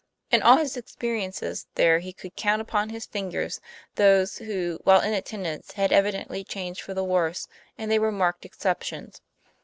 In all his experiences there he could count upon his fingers those who, while in attendance, had evidently changed for the worse; and they were marked exceptions.